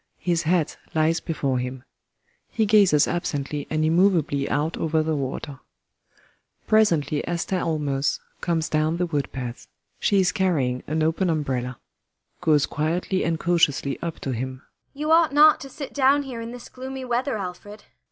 His hat lies before him. He gazes absently and immovably out over the water.] [Presently ASTA ALLMERS comes down the woodpath. She is carrying an open umbrella.] ASTA. [Goes quietly and cautiously up to him.